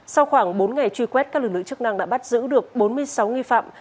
sau khoảng bốn ngày truy quét các lực lượng chức năng đã bắt giữ được bốn mươi sáu nghi phạm